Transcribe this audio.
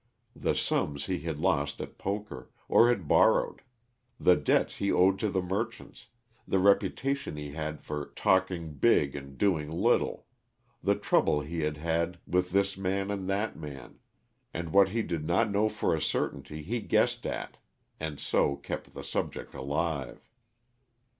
The sums he had lost at poker, or had borrowed; the debts he owed to the merchants; the reputation he had for "talking big and doing little;" the trouble he had had with this man and that man; and what he did not know for a certainty he guessed at, and so kept the subject alive.